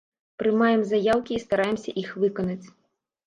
Прымаем заяўкі і стараемся іх выканаць.